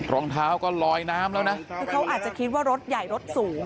รองเท้าก็ลอยน้ำแล้วนะคือเขาอาจจะคิดว่ารถใหญ่รถสูง